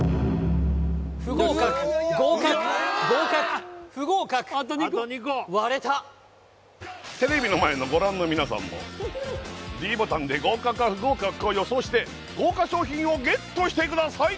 不合格合格合格不合格割れたテレビの前のご覧の皆さんもｄボタンで合格か不合格かを予想して豪華賞品をＧＥＴしてください